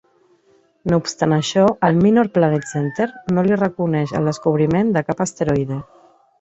No obstant això, el Minor Planet Center no li reconeix el descobriment de cap asteroide.